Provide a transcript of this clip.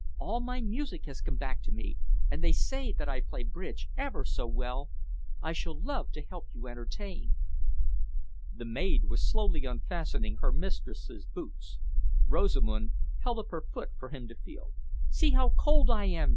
All my music has come back to me, and they say that I play bridge ever so well. I shall love to help you entertain." The maid was slowly unfastening her mistress's boots. Rosamund held up her foot for him to feel. "See how cold I am!"